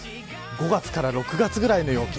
５月から６月ぐらいの陽気。